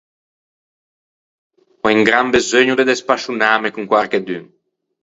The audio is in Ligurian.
Ò un gran beseugno de despascionâme con quarchedun.